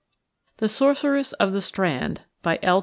The Sorceress of the Strand. BY L.